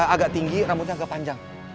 agak tinggi rambutnya agak panjang